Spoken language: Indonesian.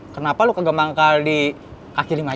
kenapa lo kegagal gagal di kak jelim aja